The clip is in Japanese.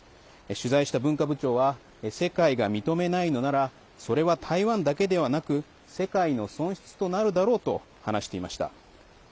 取材した文化部長は世界が認めないのならそれは台湾だけではなく世界の損失となるだろうと話していました。